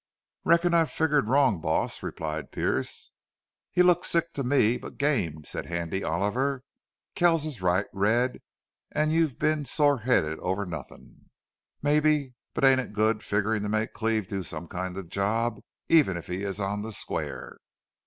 "Reckon I figgered wrong, boss," replied Pearce. "He looked sick to me, but game," said Handy Oliver. "Kells is right, Red, an' you've been sore headed over nothin'!" "Mebbe. But ain't it good figgerin' to make Cleve do some kind of a job, even if he is on the square?"